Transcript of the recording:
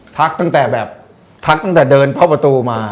ทักตั้งแต่เดินเป้าประตูมา